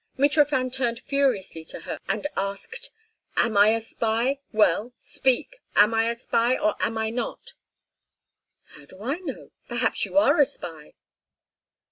Mitrofan turned furiously to her and asked: "Am I a spy? Well! Speak! Am I a spy, or am I not?" "How do I know? Perhaps you are a spy."